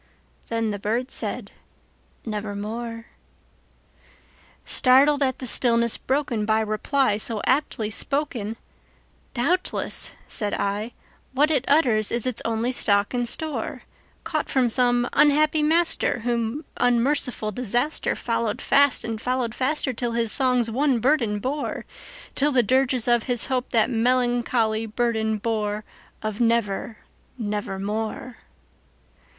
Then the bird said, "Nevermore."Startled at the stillness broken by reply so aptly spoken,"Doubtless," said I, "what it utters is its only stock and store, Caught from some unhappy master whom unmerciful DisasterFollowed fast and followed faster till his songs one burden bore:Till the dirges of his Hope that melancholy burden boreOf 'Never—nevermore.